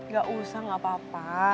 gak usah gak apa apa